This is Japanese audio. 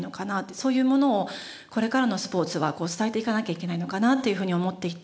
そういうものをこれからのスポーツは伝えていかなきゃいけないのかなというふうに思っていて。